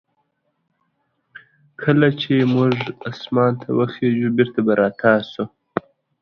داستاني اثر تر نورو خبرو ډېر ارزښت لري.